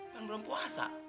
kan belum puasa